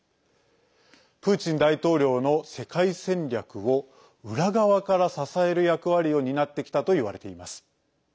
プーチン大統領の世界戦略を裏側から支える役割を担ってきたといわれています。